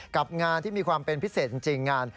กับงานที่มีความเป็นพิเศษจริงงาน